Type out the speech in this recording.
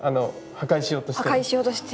破壊しようとしてる。